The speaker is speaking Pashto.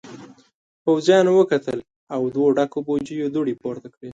پوځيانو وکتل او دوو ډکو بوجيو دوړې پورته کړې.